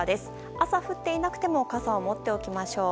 朝、降っていなくても傘を持っておきましょう。